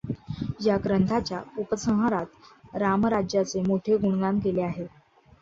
या ग्रंथाच्या उपसंहारात रामराज्याचे मोठे गुणगान केलेले आहे.